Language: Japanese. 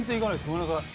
ごめんなさい。